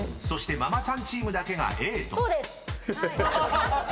［そしてママさんチームだけがＡと］